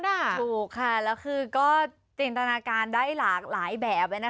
ถูกค่ะแล้วคือก็จินตนาการได้หลากหลายแบบ